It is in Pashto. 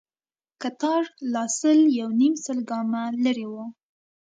کتار لا سل يونيم سل ګامه لرې و.